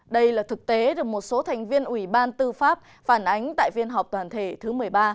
đây là thực tế được một số thành viên ủy ban tư pháp phản ánh tại phiên họp toàn thể thứ một mươi ba